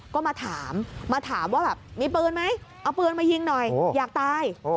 ก็มาถามมาถามว่าแบบมีปืนไหมเอาปืนมายิงหน่อยอยากตาย